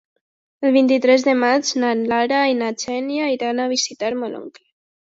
El vint-i-tres de maig na Lara i na Xènia iran a visitar mon oncle.